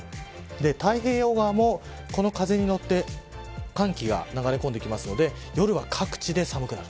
太平洋側も、この風にのって寒気が流れ込んでくるので夜は各地で寒くなる。